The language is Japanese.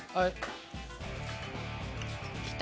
きた。